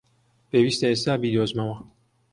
پێویستە ئێستا بیدۆزمەوە!